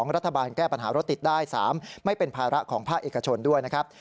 รัฐบาลแก้ปัญหารถติดได้๓ไม่เป็นภาระของภาคเอกชนด้วยนะครับ